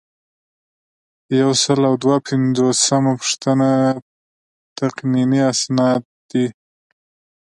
یو سل او دوه پنځوسمه پوښتنه تقنیني اسناد دي.